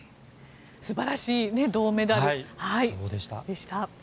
素晴らしい銅メダルでした。